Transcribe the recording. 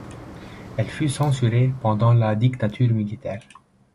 Elle fut censurée pendant la dictature militaire.